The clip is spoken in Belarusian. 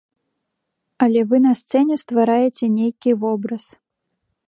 Але вы на сцэне ствараеце нейкі вобраз.